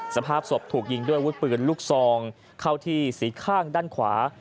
สภาพศพถูกยิงด้วยวุฒิปืนลูกซองเข้าที่สีข้างด้านขวา